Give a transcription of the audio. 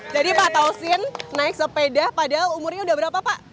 jadi pak tau sin naik sepeda padahal umurnya udah berapa pak